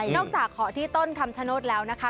นอกจากขอที่ต้นคำชะนดแล้วนะคะ